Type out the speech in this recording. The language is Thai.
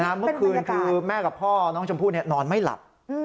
เมื่อคืนคือแม่กับพ่อน้องชมพู่นอนไม่หลับ